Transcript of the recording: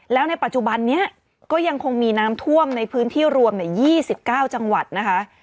แล้วในปัจจุบันนี้ก็ยังคงมีน้ำท่วมในพื้นที่รวม๒๙จังหวัดนะคะ